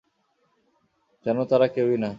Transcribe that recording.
যেন তারা কেউই না।